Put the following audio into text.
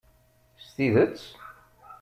S tidet?